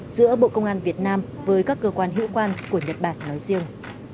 giữa bộ công an việt nam với các cơ quan hữu quan của nhật bản nói riêng